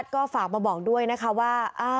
ก็ฝากมาบอกด้วยนะคะว่า